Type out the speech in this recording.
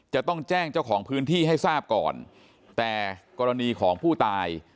จะต้องแจ้งเจ้าของพื้นที่ให้ทราบก่อนแต่กรณีของผู้ตาย